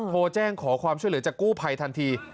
โทรแจ้งขอความช่วยเหลือจากกู้ภัยทันที